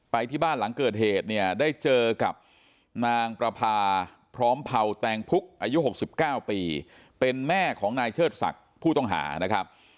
ที่บ้านหลังเกิดเหตุเนี่ยได้เจอกับนางประพาพร้อมเผาแตงพุกอายุ๖๙ปีเป็นแม่ของนายเชิดศักดิ์ผู้ต้องหานะครับ